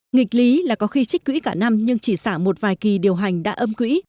nghịch lý là có khi trích quỹ cả năm nhưng chỉ xả một vài kỳ điều hành đã âm quỹ